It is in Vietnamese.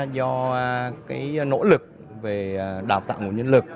do nỗ lực đào tạo nguồn nhân lực